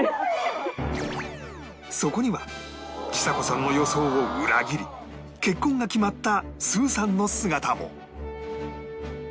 そこにはちさ子さんの予想を裏切り結婚が決まったすうさんの姿も